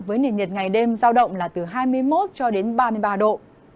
với nền nhiệt ngày đêm giao động là từ hai mươi một cho đến ba mươi ba độ